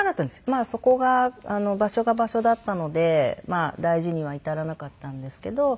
まあそこが場所が場所だったのでまあ大事には至らなかったんですけど。